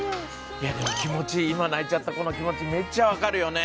いやでも気持ち今泣いちゃった子の気持ちめっちゃわかるよね！